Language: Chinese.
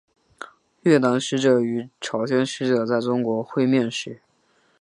越南使者与朝鲜使者在中国会面时。